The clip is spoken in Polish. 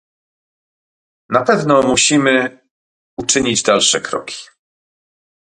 Na pewno musimy uczynić dalsze kroki